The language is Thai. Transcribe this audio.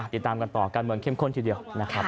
ติดตามกันต่อการเมืองเข้มข้นทีเดียวนะครับ